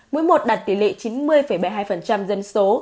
mỗi một đạt tỷ lệ chín mươi bảy